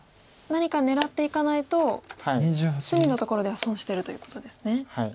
何か狙っていかないと隅のところでは損してるということですね。